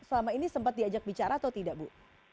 selama ini sempat diajak bicara atau tidak bu